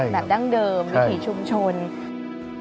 แบบดั้งเดิมวิถีชุมชนใช่